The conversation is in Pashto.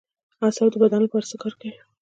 اعصاب د بدن لپاره څه کار کوي